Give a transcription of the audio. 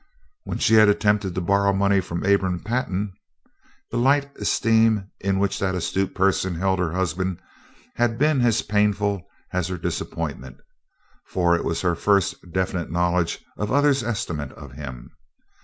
When she had attempted to borrow money from Abram Pantin, the light esteem in which that astute person held her husband had been as painful as her disappointment, for it was her first definite knowledge of others' estimate of him.